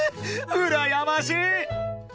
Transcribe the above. うらやましい！］